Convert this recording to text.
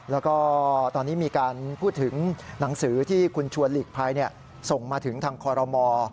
แล้วก็ตอนนี้มีการพูดถึงหนังสือที่คุณชวนหลีกภัยส่งมาถึงทางคอรมอ